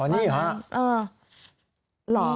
อ๋อนี่หรอ